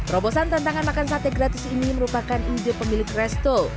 robosan tantangan makan sate gratis ini merupakan ide pemilik resto